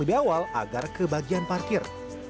lebih awal agar ke bagian parkir